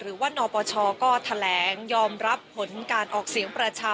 หรือว่านปชก็แถลงยอมรับผลการออกเสียงประชา